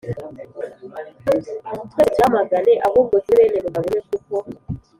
Twese tuyamagane ahubwo tube bene mugabo umwe kuko